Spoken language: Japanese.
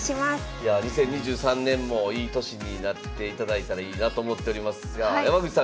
２０２３年もいい年になっていただいたらいいなと思っておりますが山口さん